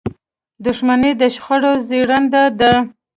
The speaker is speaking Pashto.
• دښمني د شخړو زیږنده ده.